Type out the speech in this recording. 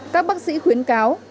các bác sĩ khuyến cáo